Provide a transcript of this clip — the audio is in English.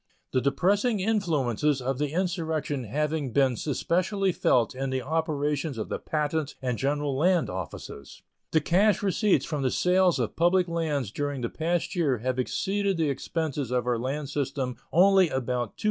The depressing influences of the insurrection have been specially felt in the operations of the Patent and General Land Offices. The cash receipts from the sales of public lands during the past year have exceeded the expenses of our land system only about $200,000.